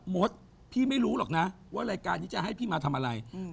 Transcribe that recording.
มดพี่ไม่รู้หรอกนะว่ารายการนี้จะให้พี่มาทำอะไร